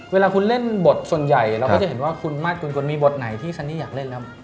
เวลาคุณเล่นบทส่วนใหญ่เราก็จะเห็นว่าคุณมาสกุลมีบทไหนที่ซันนี่อยากเล่นแล้ว